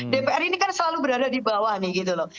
dpr ini kan selalu berada di bawah nih gitu loh